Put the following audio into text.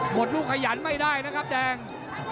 ลูกขยันไม่ได้นะครับแดง